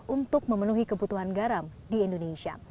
untuk memenuhi kebutuhan garam di indonesia